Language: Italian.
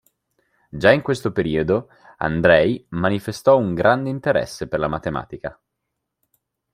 Già in questo periodo Andrej manifestò un grande interesse per la matematica.